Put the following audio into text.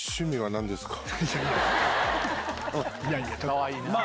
かわいいな。